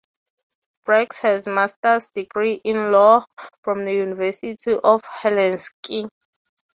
Brax has a Master's degree in law from the University of Helsinki.